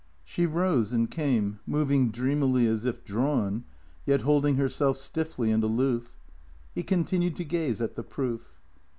She rose and came, moving dreamily as if drawn, yet holding herself stiffly and aloof. He continued to gaze at the proof.